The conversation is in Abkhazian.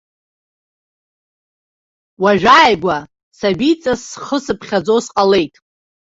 Уажә ааигәа сабиҵас схы сыԥхьаӡо сҟалеит.